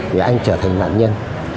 thì anh trở thành nạn nhân